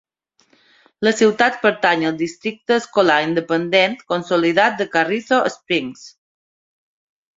La ciutat pertany al districte escolar independent consolidat de Carrizo Springs.